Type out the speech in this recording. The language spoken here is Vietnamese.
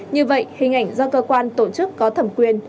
như vậy hình ảnh do cơ quan tổ chức có thẩm quyền